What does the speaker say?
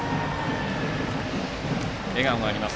笑顔があります